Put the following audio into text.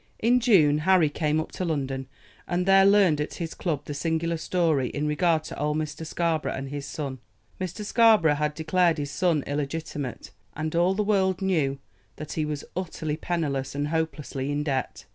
In June Harry came up to London, and there learned at his club the singular story in regard to old Mr. Scarborough and his son. Mr. Scarborough had declared his son illegitimate, and all the world knew now that he was utterly penniless and hopelessly in debt.